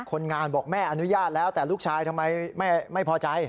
คนงานบอกแม่อนุญาตแล้วแต่ลูกชายทำไมไม่พอใจ